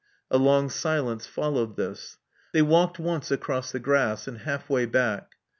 A long silence followed this. They walked once across the grass, and half way back.